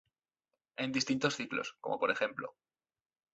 En distintos ciclos, como por ejemplo.